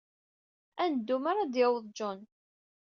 Ad neddu mi ara d-yaweḍ John.